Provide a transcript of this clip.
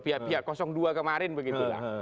pihak pihak dua kemarin begitu lah